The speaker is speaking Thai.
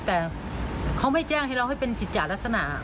แต่เขาไม่แจ้งให้เราให้เป็นกิจจารักษณะ